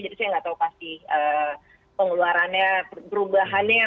jadi saya nggak tahu pasti pengeluarannya perubahannya